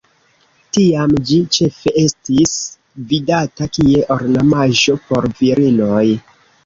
Tiam ĝi ĉefe estis vidata kie ornamaĵo por virinoj.